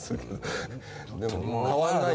でも変わんないよ。